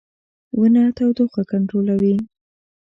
• ونه تودوخه کنټرولوي.